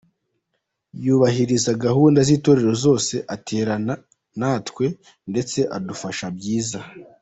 Yubahiriza gahunda z’itorero zose, aterana natwe ndetse adufasha byiza.